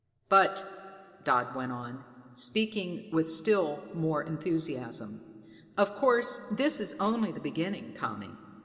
"But," Dodd went on, speaking with still more enthusiasm, "of course, this is only the beginning, Tommy.